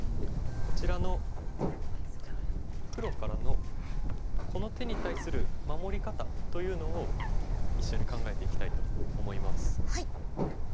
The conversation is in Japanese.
こちらの黒からのこの手に対する守り方というのを一緒に考えていきたいと思います。